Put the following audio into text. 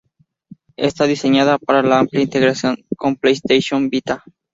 Está diseñada para la amplia integración con PlayStation Vita.